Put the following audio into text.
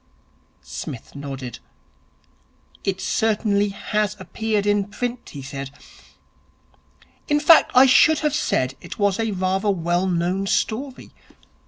Psmith nodded. 'It certainly has appeared in print,' he said. 'In fact I should have said it was rather a well known story.